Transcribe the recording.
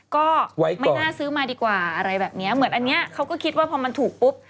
ก็ไม่น่าซื้อมาดีกว่าอะไรแบบเนี้ยเหมือนอันนี้เขาก็คิดว่าพอมันถูกปุ๊บ